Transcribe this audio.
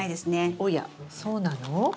おやそうなの？